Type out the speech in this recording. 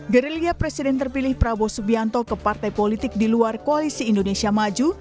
gerilya presiden terpilih prabowo subianto ke partai politik di luar koalisi indonesia maju